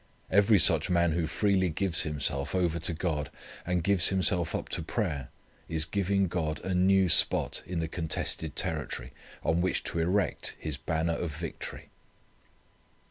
Every such man who freely gives himself over to God, and gives himself up to prayer is giving God a new spot in the contested territory on which to erect His banner of victory.